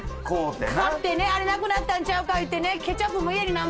あれなくなったんちゃうか言ってね。